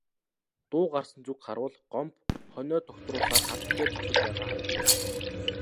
Дуу гарсан зүг харвал Гомбо хонио дугтруулсаар хадан дээр зогсож байгаа харагдав.